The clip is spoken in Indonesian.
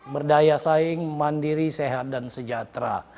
berdaya saing mandiri sehat dan sejahtera